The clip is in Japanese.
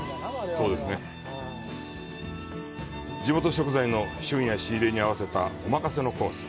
地元食材の旬や仕入れに合わせたお任せのコース。